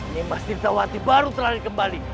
nimas tirtawati baru terlari kembali